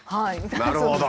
なるほど。